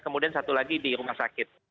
kemudian satu lagi di rumah sakit